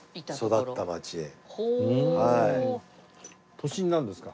都心なんですか？